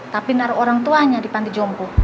tapi naruh orang tuanya di panti jompo